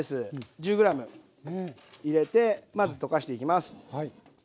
１０ｇ入れてまず溶かしていきます。